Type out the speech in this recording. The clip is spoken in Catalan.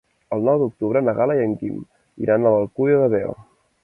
El nou d'octubre na Gal·la i en Guim iran a l'Alcúdia de Veo.